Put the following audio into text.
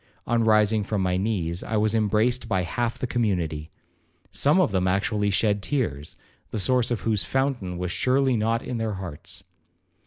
On rising from my knees, I was embraced by half the community. Some of them actually shed tears, the source of whose fountain was surely not in their hearts.